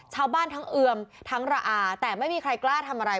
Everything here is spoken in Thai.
ชาวบ้านทั้งเอือมทั้งระอาแต่ไม่มีใครกล้าทำอะไร